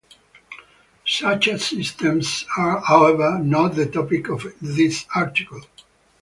Such systems are, however, not the topic of this article.